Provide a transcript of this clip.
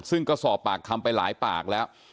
ซึ่งก็สอบปากคำไปหลายปากแล้ว